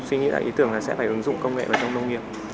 ý tưởng là sẽ phải ứng dụng công nghệ vào trong nông nghiệp